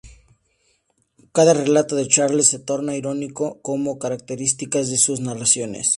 Cada relato de Charles se torna irónico, como característica de sus narraciones.